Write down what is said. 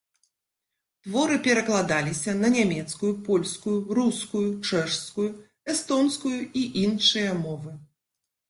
Творы перакладаліся на нямецкую, польскую, рускую, чэшскую, эстонскую і іншыя мовы.